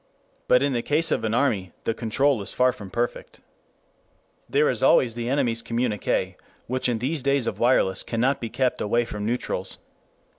But in the case of an army the control is far from perfect. There is always the enemy's communiqué, which in these days of wireless cannot be kept away from neutrals.